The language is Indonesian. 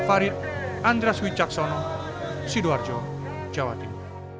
jadi perlu waktu dua puluh enam tahun baru bisa habis